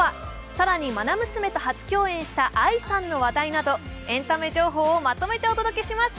更にまな娘と初共演したＡＩさんの話題などエンタメ情報をまとめてお届けします。